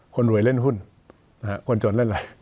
คนรวยเล่นหุ้นคนจนเล่นอะไร